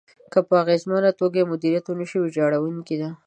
که په اغېزمنه توګه يې مديريت ونشي، ويجاړونکې ده.